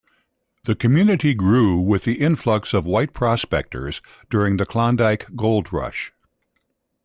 The community grew with the influx of white prospectors during the Klondike Gold Rush.